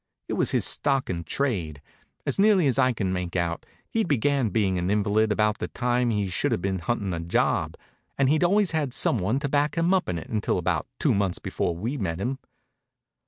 It was his stock in trade. As near as I could make out he'd began being an invalid about the time he should have been hunting a job, and he'd always had some one to back him up in it until about two months before we met him.